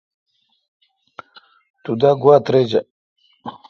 تو دا گواؙ ترجہ۔